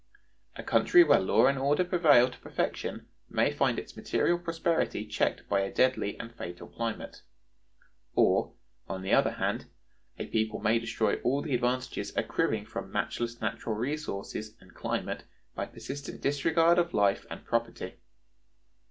"A country where law and order prevail to perfection may find its material prosperity checked by a deadly and fatal climate; or, on the other hand, a people may destroy all the advantages accruing from matchless natural resources and climate by persistent disregard of life and property.